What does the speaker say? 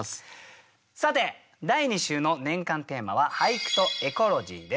さて第２週の年間テーマは「俳句とエコロジー」です。